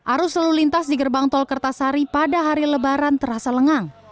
arus lalu lintas di gerbang tol kertasari pada hari lebaran terasa lengang